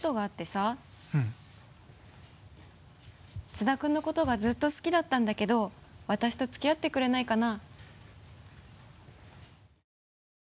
津田君のことがずっと好きだったんだけど私と付き合ってくれないかな？